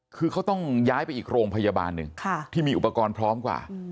คือเขาต้องย้ายไปอีกโรงพยาบาลหนึ่งที่มีอุปกรณ์พร้อมกว่า